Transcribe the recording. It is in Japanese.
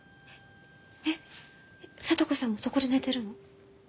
えっ聡子さんもそこで寝てるの？